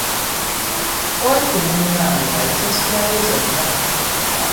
Wattu munnange n'azisasulayo zonna.